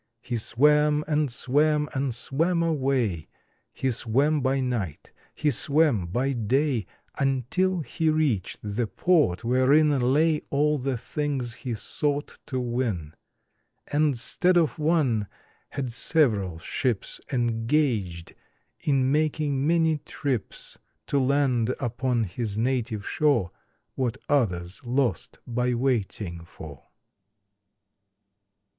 He swam and swam and swam away, He swam by night, he swam by day, Until he reached the Port wherein Lay all the things he sought to win; And, stead of one, had several ships Engaged in making many trips To land upon his native shore What others lost by waiting for.